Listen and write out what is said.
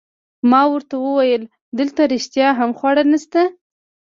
ما ورته وویل: دلته رښتیا هم خواړه نشته؟